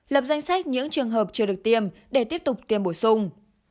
lập danh sách những trường hợp chưa được tiêm để tiếp tục tiêm bổ sung